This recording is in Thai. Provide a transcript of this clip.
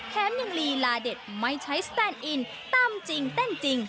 แถมยังลีลาเด็ดไม่ใช้สแตนอินตำจริงเต้นจริง